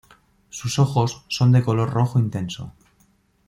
Sus ojos son de color rojo intenso.